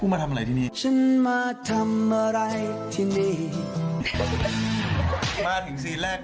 มาถึงซีนแรกก็คือ